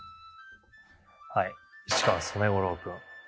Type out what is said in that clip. はい市川染五郎君。